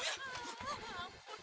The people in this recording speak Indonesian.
malah tidak akan terbayari